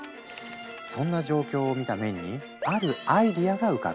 そんな状況を見たメンにあるアイデアが浮かぶ。